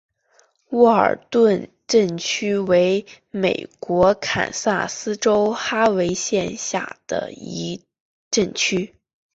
沃尔顿镇区为美国堪萨斯州哈维县辖下的镇区。